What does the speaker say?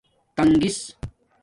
تنگس